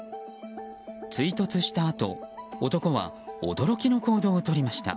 追突したあと、男は驚きの行動をとりました。